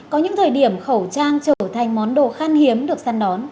có những thời điểm khẩu trang trở thành món đồ khan hiếm được săn đón